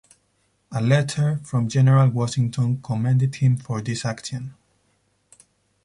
A letter from General Washington commended him for this action.